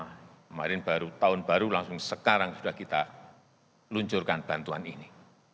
kemarin baru tahun baru langsung sekarang sudah kita luncurkan bantuan ini